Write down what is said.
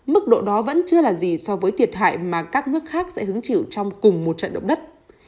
mức độ đó vẫn chưa là gì so với thiệt hại mà các nước khác sẽ hứng chịu trong cùng một trận động đất